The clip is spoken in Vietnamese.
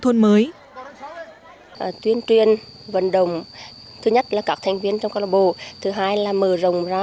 thôn mới tuyên truyền vận động thứ nhất là các thành viên trong câu lạc bộ thứ hai là mở rộng ra